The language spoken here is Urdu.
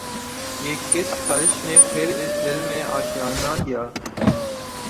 یہ کس خلش نے پھر اس دل میں آشیانہ کیا